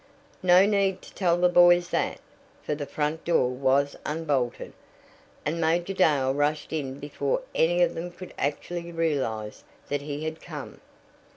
No need to tell the boys that, for the front door was unbolted, and Major Dale rushed in before any of them could actually realize that he had come.